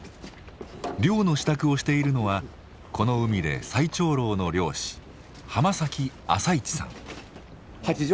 漁の支度をしているのはこの海で最長老の漁師濱崎朝市さん。